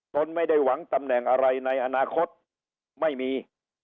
ตนไม่ได้หวังตำแหน่งอะไรในอนาคตไม่มี